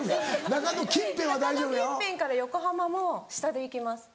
中野近辺から横浜も下で行きます。